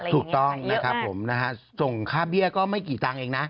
ถูกต้องนะครับผมนะฮะส่งค่าเบี้ยก็ไม่กี่ตังค์เองนะ